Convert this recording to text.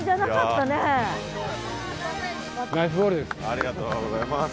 ありがとうございます。